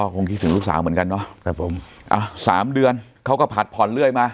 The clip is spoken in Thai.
คงคิดถึงลูกสาวเหมือนกันเนาะครับผมอ่ะสามเดือนเขาก็ผัดผ่อนเรื่อยมา